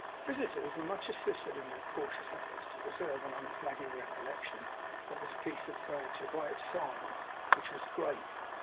Visitors were much assisted in their cautious efforts to preserve an unflagging recollection of this piece of furniture, by its size; which was great.